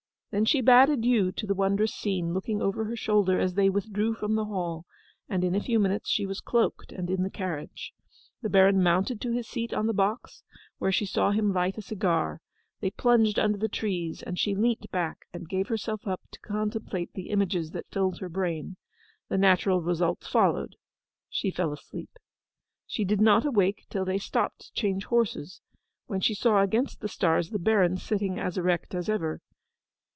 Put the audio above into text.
Then she bade adieu to the wondrous scene, looking over her shoulder as they withdrew from the hall; and in a few minutes she was cloaked and in the carriage. The Baron mounted to his seat on the box, where she saw him light a cigar; they plunged under the trees, and she leant back, and gave herself up to contemplate the images that filled her brain. The natural result followed: she fell asleep. She did not awake till they stopped to change horses; when she saw against the stars the Baron sitting as erect as ever.